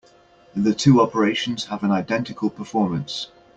The two operations have an identical performance.